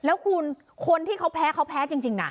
แล้วคุณคนที่เขาแพ้เขาแพ้จริงนะ